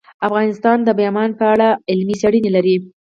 افغانستان د بامیان په اړه علمي څېړنې لري.